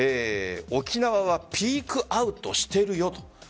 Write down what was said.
沖縄はピークアウトしているよと。